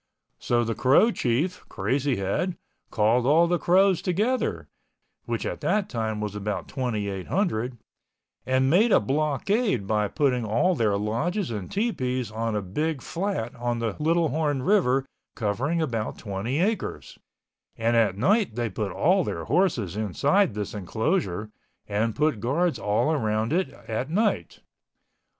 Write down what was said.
So the Crow chief, Crazy Head, called all the Crows together, which at that time was about 2,800, and made a blockade by putting all their lodges and tepees on a big fiat on the Little Horn River covering about 20 acres, and at night they put all their horses inside this enclosure, and put guards all around it at night.